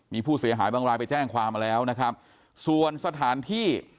มีผู้เสียหายบางรายไปแจ้งความมาแล้วนะครับส่วนสถานที่